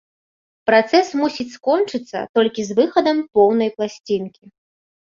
Працэс мусіць скончыцца толькі з выхадам поўнай пласцінкі.